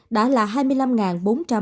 đã là hai mươi năm ca tử vong trong bảy ngày qua